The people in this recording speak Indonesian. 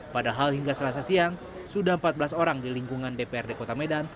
padahal hingga selasa siang sudah empat belas orang di lingkungan dprd kota medan